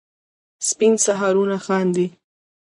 سپین سهارونه خاندي